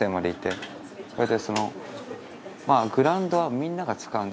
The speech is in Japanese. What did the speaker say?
それで。